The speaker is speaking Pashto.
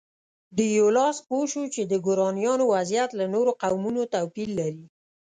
ډي ایولاس پوه شو چې د ګورانیانو وضعیت له نورو قومونو توپیر لري.